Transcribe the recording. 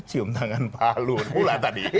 cium tangan pak luhur pula tadi